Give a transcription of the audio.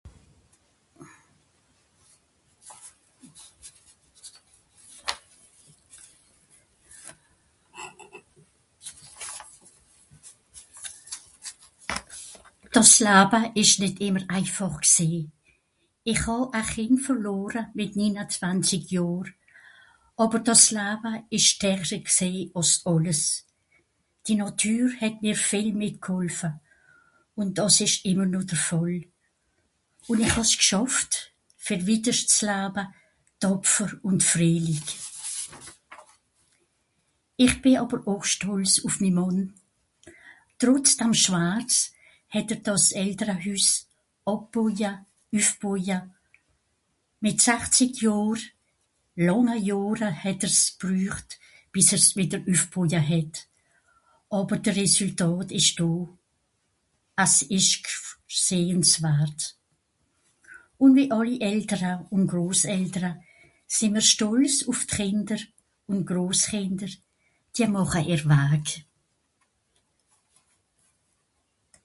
Das Laba ìsch nìt ìmmer eifàch gsìì. ìch hàà a Chìnd verlora mìt niin-a-zwànzig Johr. Àber das Laba ìsch (...) àss àlles. Di Nàtür het m'r viel mìt gholfe. Ùn dàss ìsch ìmmer noh de Fàll. Ùn ìch hàà s'gschàfft, fer witterschts laba, topfer ùn fréilig. Ìch bì àber au stolz ùf mi Mànn. Trotz dam Schwarz het er dàs Elterahüss àbboja, üfboja. Mìt sachzig Johr, lànga Johra het es gbrücht, bìs er's mìt de Üfboja het. Àber de Resültàt ìsch do. As ìsch gf... Sehnswart. Ùn wie alli Eltera ùn Groseltera sìì m'r stolz ùf d'Chìnder ùn Groschìnder. Dia màcha Ìhr Wag.